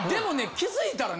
気付いたらね